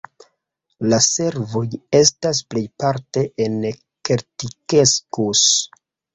La servoj estas plejparte en Keltinkeskus.